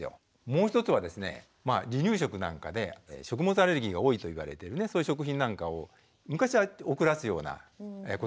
もう１つはですね離乳食なんかで食物アレルギーが多いと言われてるそういう食品なんかを昔は遅らすようなことが多かったんですが。